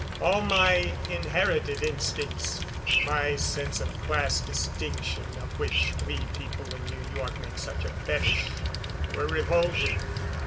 All my inherited instincts, my sense of class distinction, of which we people in New York make such a fetich, were revolted.